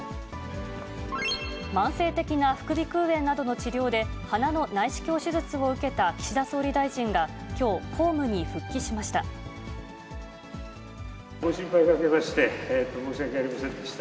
慢性的な副鼻腔炎などの治療で、鼻の内視鏡手術を受けた岸田総理大臣がきょう、公務に復帰しました。